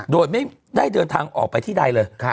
โดยไม่ได้เดินทางออกไปที่ใดเลย